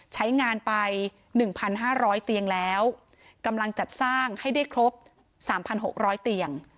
ใช้งานไปหนึ่งพันห้าร้อยเตียงแล้วกำลังจัดสร้างให้ได้ครบสามพันหกร้อยเตียง